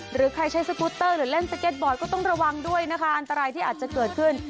หรือใครใช้สกูตเตอร์หรือเล่นสเก็ตบอร์ดก็ต้องระวังด้วยนะคะอันตรายที่อาจจะเกิดขึ้น